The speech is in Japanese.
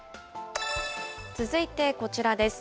続いてこちらです。